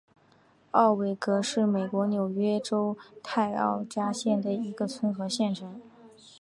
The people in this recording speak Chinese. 奥韦戈是美国纽约州泰奥加县的一个村和县城。